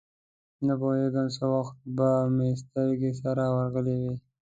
نپوهېږم څه وخت به مې سترګې سره ورغلې وې.